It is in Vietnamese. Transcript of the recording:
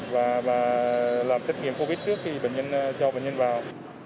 và làm trách nghiệm covid trước khi cho bệnh nhân vào